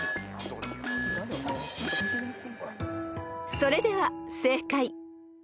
［それでは正解］